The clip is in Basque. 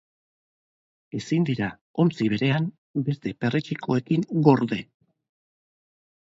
Ezin dira ontzi berean beste perretxikoekin gorde.